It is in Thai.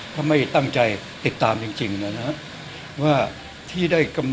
ถ้าไม่ตั้งใจติดตามจริงนะ